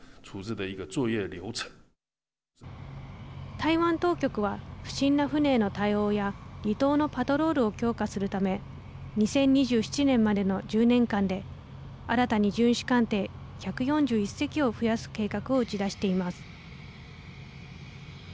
台湾当局は不審な船への対応や離島のパトロールを強化するため２０２７年までの１０年間で新たに巡視艦艇１４１隻を増やす計画を打ち出しています。